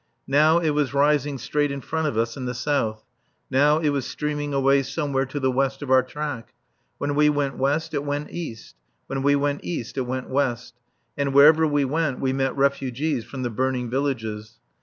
Now it was rising straight in front of us in the south, now it was streaming away somewhere to the west of our track. When we went west it went east. When we went east it went west. And wherever we went we met refugees from the burning villages.